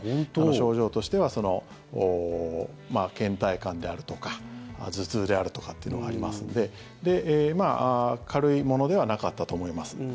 症状としてはけん怠感であるとか頭痛であるとかっていうのがありますので軽いものではなかったと思います。